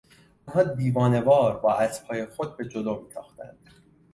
آنها دیوانهوار با اسبهای خود به جلو میتاختند.